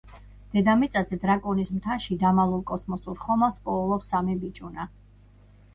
დედამიწაზე, დრაკონის მთაში დამალულ კოსმოსურ ხომალდს პოულობს სამი ბიჭუნა.